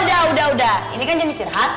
udah udah ini kan jam istirahat